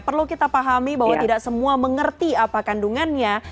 perlu kita pahami bahwa tidak semua mengerti apa kandungannya